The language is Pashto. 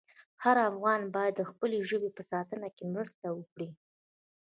هر افغان باید د خپلې ژبې په ساتنه کې مرسته وکړي.